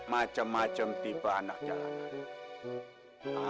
macem macem tiba anak jalanan